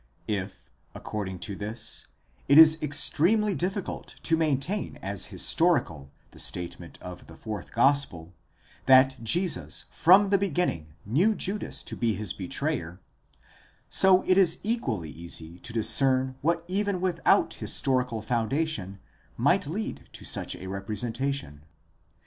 If, according to this, it is extremely difficult to maintain as historical the statement of the fourth gospel, that Jesus from the beginning knew Judas to be his betrayer : so it is equally easy to discern what even with out historical foundation might lead to such a representation.